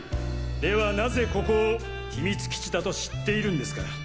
ではなぜここを秘密基地だと知っているんですか？